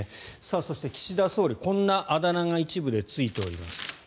そして岸田総理、こんなあだ名が一部でついています。